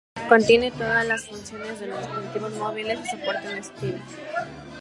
Contiene todas las funciones de los dispositivos móviles y soporte con Steam.